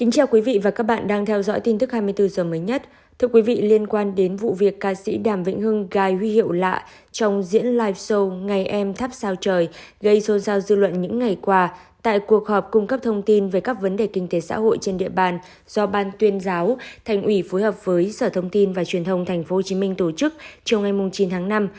chào mừng quý vị đến với bộ phim hãy nhớ like share và đăng ký kênh của chúng mình nhé